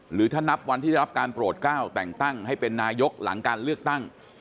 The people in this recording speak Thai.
หรือถ้านับวันที่ได้รับการโปรดก้าวแต่งตั้งให้เป็นนายกหลังการเลือกตั้ง